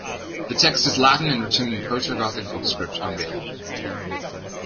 The text is Latin and written in proto-gothic book script on vellum.